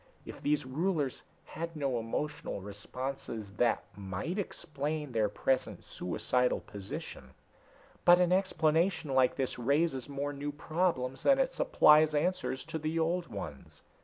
If these rulers had no emotional responses, that might explain their present suicidal position. But an explanation like this raises more new problems than it supplies answers to the old ones.